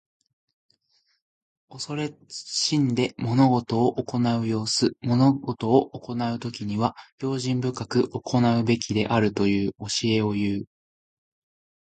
恐れ慎んで物事を行う様子。物事を行うときには、用心深く行うべきであるという教えをいう。